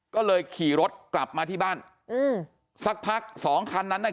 ก็เลยขี่รถกลับมาที่บ้านสักพักสองคันนั้น